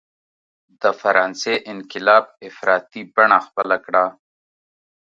د فرانسې انقلاب افراطي بڼه خپله کړه.